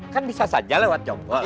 kan bisa saja lewat jompok